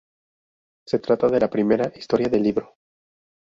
Se trata de la primera historia del libro.